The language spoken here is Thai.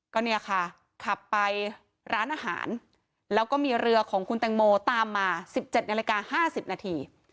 ก็เนี่ยค่ะขับไปร้านอาหารแล้วก็มีเรือของคุณแตงโมตามมา๑๗นาฬิกา๕๐นาที